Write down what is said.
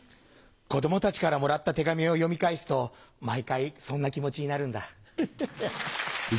子供たちからもらった手紙を読み返すと毎回そんな気持ちになるんだ。